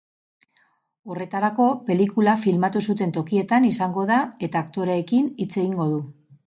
Horretarako, pelikula filmatu zuten tokietan izango da eta aktoreekin hitz egingo du.